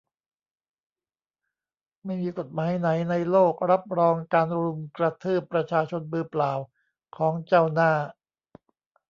ไม่มีกฎหมายไหนในโลกรับรองการรุมกระทืบประชาชนมือเปล่าของเจ้าหน้า